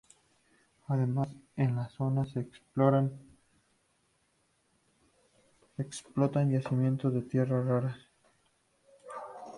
Además en la zona se explotan yacimientos de tierras raras.